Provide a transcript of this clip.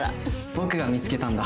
僕が見つけたんだ。